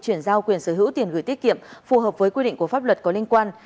chuyển giao quyền sở hữu tiền gửi tiết kiệm phù hợp với quy định của pháp luật có liên quan